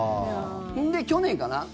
それで去年かな。